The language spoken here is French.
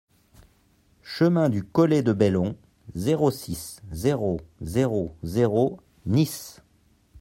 Chemin du Collet de Bellon, zéro six, zéro zéro zéro Nice